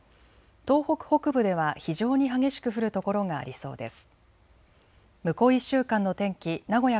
東北北部では非常に激しく降る所がありそうです。